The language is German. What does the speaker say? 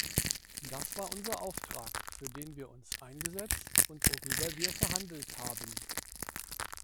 Das war unser Auftrag, für den wir uns eingesetzt und worüber wir verhandelt haben.